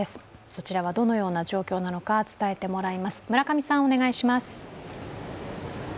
そちらはどのような状況なのか、伝えてもらいます。